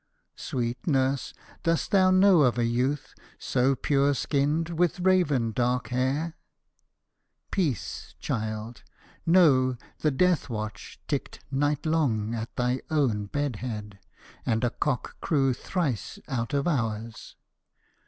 ' Sweet nurse ! dost thou know of a youth, so pure skinned, with raven dark hair ?'' Peace, child ! know the death watch ticked night long at thy own bed head. And a cock crew thrice out of hours.'